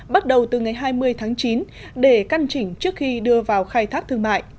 bắt đầu từ ngày hai mươi tháng chín để căn chỉnh trước khi đưa vào khai thác thương mại